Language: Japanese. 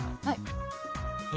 はい。